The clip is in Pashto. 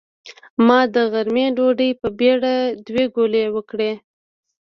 ما د غرمۍ ډوډۍ په بېړه دوې ګولې وکړې.